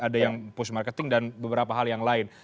ada yang push marketing dan beberapa hal yang lain